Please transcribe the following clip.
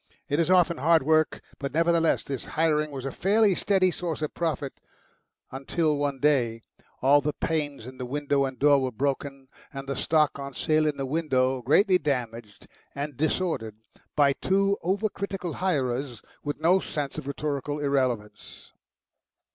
It was often hard work, but nevertheless this hiring was a fairly steady source of profit, until one day all the panes in the window and door were broken and the stock on sale in the window greatly damaged and disordered by two over critical hirers with no sense of rhetorical irrelevance.